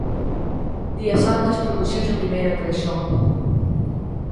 Días antes produciuse a primeira traizón.